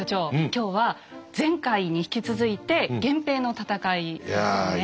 今日は前回に引き続いて「源平の戦い」ですね。